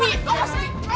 ya tuhan non